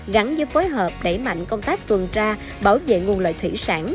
gắn với phối hợp đẩy mạnh công tác tuần tra bảo vệ nguồn lợi thủy sản